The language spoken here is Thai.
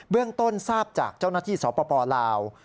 เรื่องต้นทราบจากเจ้าหน้าที่สปลาว